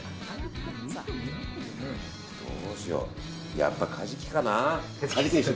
やっぱカジキかな。